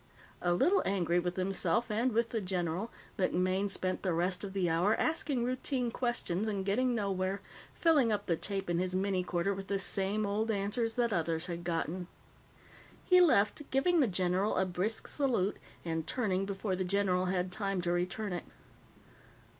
A little angry with himself and with the general, MacMaine spent the rest of the hour asking routine questions and getting nowhere, filling up the tape in his minicorder with the same old answers that others had gotten. He left, giving the general a brisk salute and turning before the general had time to return it.